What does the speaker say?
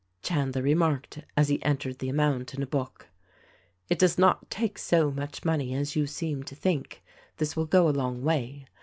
Chandler remarked — as he entered the amount in a book — "It does not take so much money as you seem to think. This will go a long way.